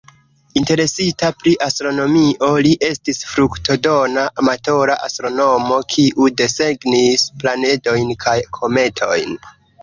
Interesita pri astronomio, li estis fruktodona amatora astronomo, kiu desegnis planedojn kaj kometojn.